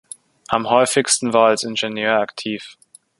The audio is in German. Am häufigsten war als Ingenieur aktiv.